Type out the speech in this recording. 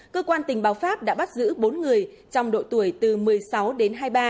cơ quan tình báo pháp đã bắt giữ bốn người trong độ tuổi từ một mươi sáu đến hai mươi ba